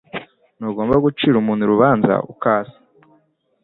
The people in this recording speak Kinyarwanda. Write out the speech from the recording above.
Ntugomba gucira umuntu urubanza uko asa.